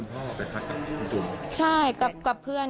คุณพ่อไปทักกับคุณจุ่มอ่ะค่ะ